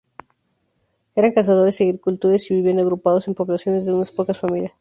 Eran cazadores y agricultores, y vivían agrupados en poblaciones de unas pocas familias.